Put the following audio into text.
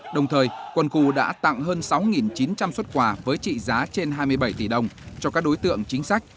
đồng thời quân khu đã tặng hơn sáu chín trăm linh xuất quà với trị giá trên hai mươi bảy tỷ đồng cho các đối tượng chính sách